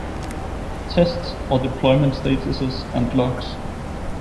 Test or deployment statuses and logs